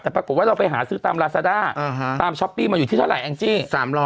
แต่ปรากฏว่าเราไปหาซื้อตามลาซาด้าตามช้อปปี้มาอยู่ที่เท่าไรแองจี้